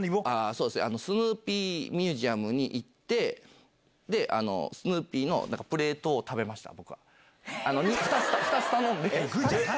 そうですね、スヌーピーミュージアムに行って、で、スヌーピーの、なんかプレートを食べました。